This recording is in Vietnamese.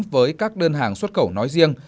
với các đơn hàng xuất khẩu nói riêng